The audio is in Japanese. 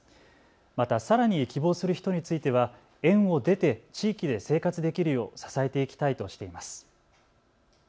また、さらに希望する人については園を出て地域で生活できるよう支えていきたいとしています。